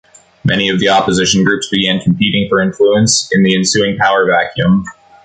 Many of the opposition groups began competing for influence in the ensuing power vacuum.